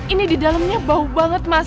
ini di dalamnya bau banget mas